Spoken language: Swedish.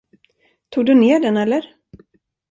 Tog du ner den eller?